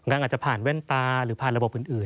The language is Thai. อาจจะผ่านแว่นตาหรือผ่านระบบอื่น